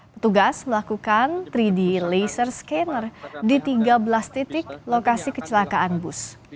petugas melakukan tiga d laser scanner di tiga belas titik lokasi kecelakaan bus